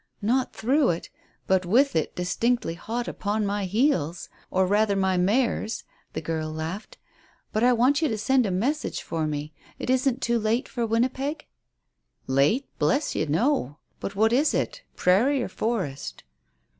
"Not through it, but with it distinctly hot upon my heels or rather my mare's," the girl laughed. "But I want you to send a message for me. It isn't too late for Winnipeg?" "Late, bless you, no. But what is it? Prairie or forest?"